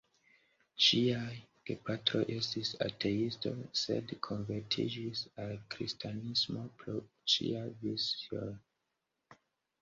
Ŝiaj gepatroj estis ateistoj, sed konvertiĝis al kristanismo pro ŝiaj vizioj.